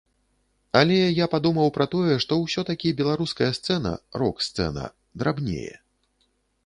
Але я падумаў пра тое, што ўсё-такі беларуская сцэна, рок-сцэна, драбнее.